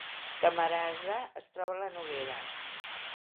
Camarasa es troba a la Noguera